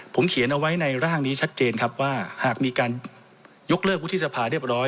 ผมเขียนเอาไว้ในร่างนี้ชัดเจนครับว่าหากมีการยกเลิกวุฒิสภาเรียบร้อย